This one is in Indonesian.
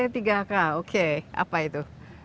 tujuh t tiga k oke apa itu